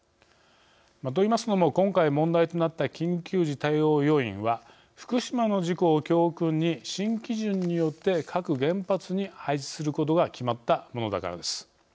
といいますのも今回問題となった緊急時対応要員は福島の事故を教訓に新基準によって各原発に配置することが決まったものだからです。